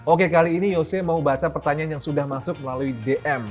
oke kali ini yose mau baca pertanyaan yang sudah masuk melalui dm